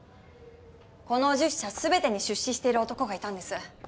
この１０社すべてに出資している男がいたんです。